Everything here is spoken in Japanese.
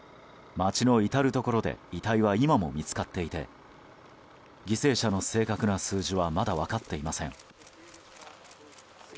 町の至るところで遺体は今も見つかっていて犠牲者の正確な数字はまだ分かっていません。